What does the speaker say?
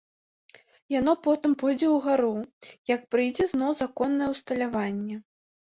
Яно потым пойдзе ўгару, як прыйдзе зноў законнае ўсталяванне.